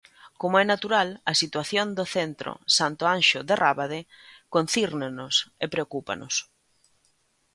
Como é natural, a situación do centro Santo Anxo de Rábade concírnenos e preocúpanos.